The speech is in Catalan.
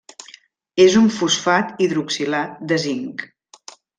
És un fosfat hidroxilat de zinc.